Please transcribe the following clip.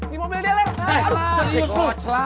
di mobil dia lah